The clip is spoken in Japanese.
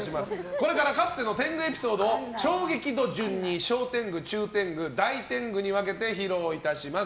これから、かつての天狗エピソードを衝撃度順に小天狗、中天狗、大天狗に分けて披露いたします。